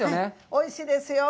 おいしいですよ。